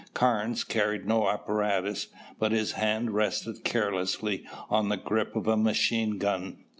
Carnes carried no apparatus but his hand rested carelessly on the grip of a machine gun.